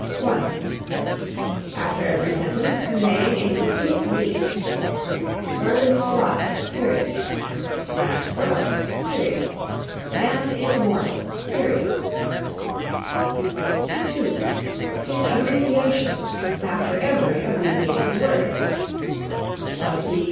(1) After every sentence conveying a complete meaning: "Birds fly." "Plants grow." "Man is mortal." (2) In abbreviations: after every abbreviated word: Rt.